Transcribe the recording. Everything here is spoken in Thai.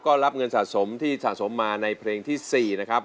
ก็รับเงินสะสมที่สะสมมาในเพลงที่๔นะครับ